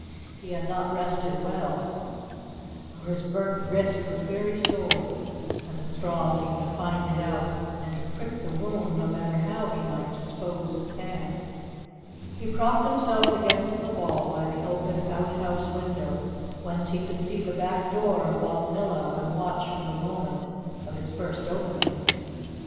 He had not rested well, for his burnt wrist was very sore, and the straw seemed to find it out and to prick the wound, no matter how he might dispose his hand. He propped himself against the wall by the open outhouse window, whence he could see the back door of Balnillo and watch for the moment of its first opening.